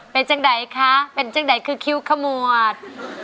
เป็นจังไหนคะเป็นจังไหนคือคิ้วขมวด